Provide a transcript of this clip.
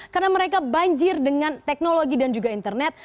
karena mereka banjir dengan teknologi dan juga internet